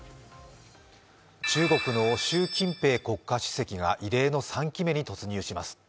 中国の習近平国家主席が異例の３期目に突入します。